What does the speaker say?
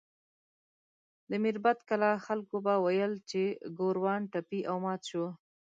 د میربت کلا خلکو به ویل چې ګوروان ټپي او مات شو.